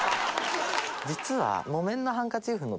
実は。